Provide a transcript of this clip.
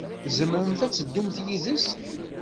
Tzemremt ad teddumt yid-s.